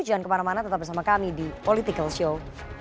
jangan kemana mana tetap bersama kami di political show